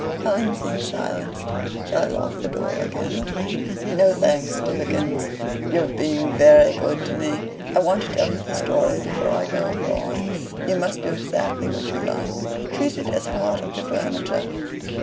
Helen seemed silenced. "Shall I lock the door again?" "No, thanks, Tibbikins. You're being very good to me. I want to tell you the story before I go abroad. You must do exactly what you like treat it as part of the furniture.